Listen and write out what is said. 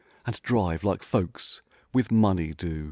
And drive like folks with money do.